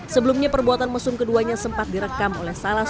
sebelumnya perbuatan mesum keduanya sempat direkam oleh salah satu